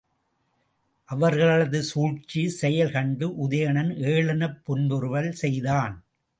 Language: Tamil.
அவர்களது சூழ்ச்சிச் செயல் கண்டு உதயணன் ஏளனப் புன்முறுவல் செய்தான்.